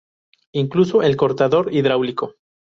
Incluso el cortador hidráulico.